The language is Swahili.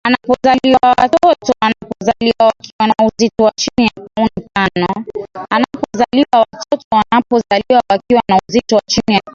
anapozaliwa watoto wanapozaliwa wakiwa na uzito wa chini ya pauni tano